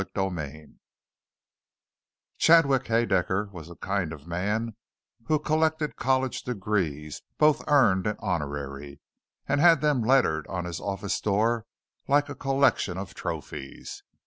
CHAPTER 4 Chadwick Haedaecker was the kind of man who collected college degrees, both earned and honorary, and had them lettered on his office door like a collection of trophies.